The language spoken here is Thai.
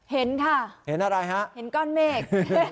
เห็นค่ะเห็นอะไรฮะเห็นก้อนเมฆ